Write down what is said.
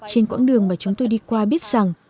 trên quãng đường mà chúng tôi đi qua biết rằng